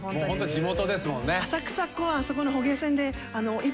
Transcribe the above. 地元ですもんね。